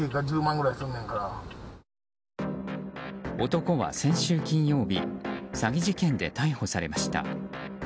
男は、先週金曜日詐欺事件で逮捕されました。